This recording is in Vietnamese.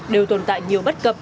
đều tồn tại nhiều bất cập